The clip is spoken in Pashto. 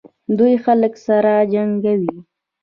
دوی خلک سره جنګوي.